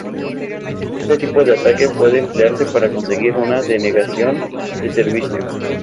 Este tipo de ataque puede emplearse para conseguir una denegación de servicio.